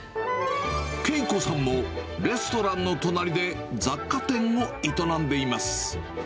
慶子さんもレストランの隣で雑貨店を営んでいます。